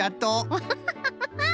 アハハハ！